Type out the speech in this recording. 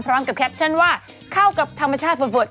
พร้อมกับแคปชั่นว่าเข้ากับธรรมชาติฟัด